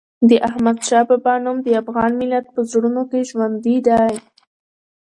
د احمدشاه بابا نوم د افغان ملت په زړونو کې ژوندي دی.